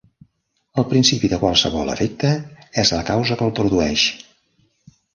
El principi de qualsevol efecte és la causa que el produeix.